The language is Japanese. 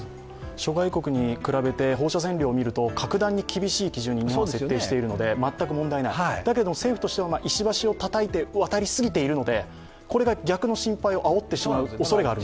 諸外国に比べて放射線量を見ると格段に厳しい基準に設定しているので全く問題ない、だけど政府としては石橋をたたいて渡りすぎているのでこれが逆の心配をあおってしまうおそれがあると。